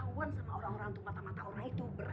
kayaknya gak ada jalan lain aisyah